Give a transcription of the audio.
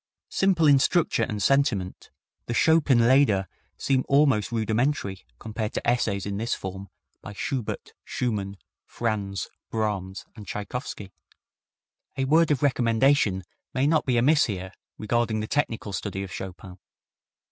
Simple in structure and sentiment, the Chopin lieder seem almost rudimentary compared to essays in this form by Schubert, Schumann, Franz, Brahms and Tschaikowsky. A word of recommendation may not be amiss here regarding the technical study of Chopin.